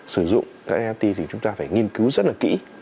sử dụng cái nft thì chúng ta phải nghiên cứu rất là kỹ